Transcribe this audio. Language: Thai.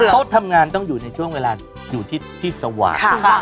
เขาทำงานต้องอยู่ในช่วงเวลาอยู่ที่สว่าง